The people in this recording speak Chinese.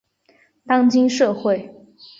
当今社会